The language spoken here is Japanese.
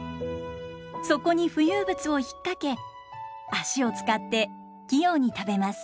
そこに浮遊物を引っ掛け脚を使って器用に食べます。